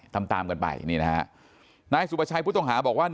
ตามตามกันไปนี่นะฮะนายสุประชัยผู้ต้องหาบอกว่า